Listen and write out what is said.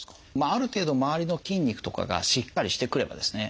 ある程度周りの筋肉とかがしっかりしてくればですね